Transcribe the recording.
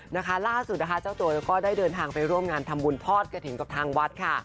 นะคะล่าสุดนะคะเจ้าตัวก็ได้เดินทางไปร่วมงานทำบุญทอดกระถิ่นกับทางวัดค่ะ